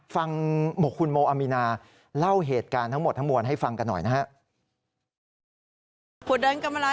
ฟังคุณโมอามีนาเล่าเหตุการณ์ทั้งหมดทั้งมวลให้ฟังกันหน่อยนะฮะ